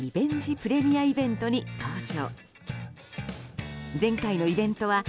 プレミアイベントに登場。